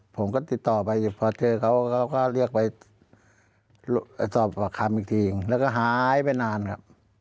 ผมก็ติดต่อไปพอเจอเขาก็เรียกไปสอบปากคำอีกทีแล้วก็หายไปนานครับ